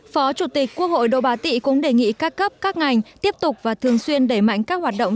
phó chủ tịch quốc hội đỗ bá tị cũng đề nghị các cấp các ngành tiếp tục và thường xuyên đẩy mạnh các hoạt động